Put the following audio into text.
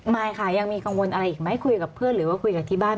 ไม่ค่ะยังมีกังวลอะไรอีกไหมคุยกับเพื่อนหรือว่าคุยกับที่บ้าน